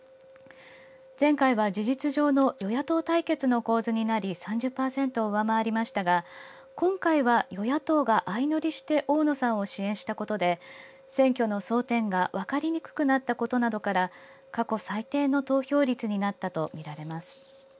前回は事実上の与野党対決の構図になり３０％を上回りましたが今回は与野党が相乗りして大野さんを支援したことで選挙の争点が分かりにくくなったことなどから過去最低の投票率になったと見られます。